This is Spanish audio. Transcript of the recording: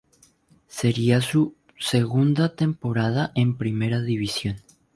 Seria su segunda temporada en Primera División.